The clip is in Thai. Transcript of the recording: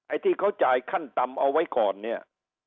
ที่เขาจ่ายขั้นต่ำเอาไว้ก่อนเนี่ย